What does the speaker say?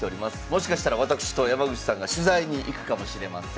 もしかしたらわたくしと山口さんが取材に行くかもしれません。